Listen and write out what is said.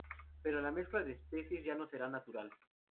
Pero la mezcla de especies ya no será natural.